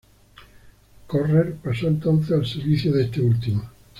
Correr pasó entonces al servicio de este último.